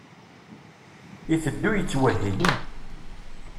Iteddu yettwehhi.